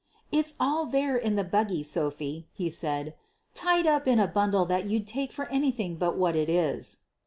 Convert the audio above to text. "It's all out there in the buggy, Sophie," he said, "tied up in a bundle that you'd take for anything but what it is.